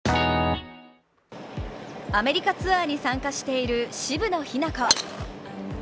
アメリカツアーに参加している渋野日向子。